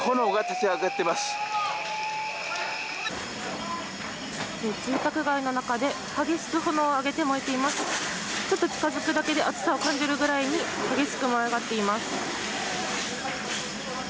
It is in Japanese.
ちょっと近づくだけで熱さを感じぐらいに激しく燃え上がっています。